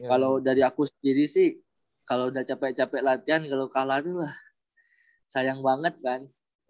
kalau dari aku sendiri sih kalau udah capek capek latihan kalau kalah tuh wah sayang banget kan